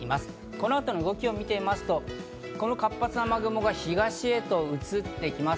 この後の動きを見てみますと、この活発な雨雲が東へと移ってきます。